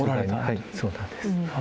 はいそうなんです。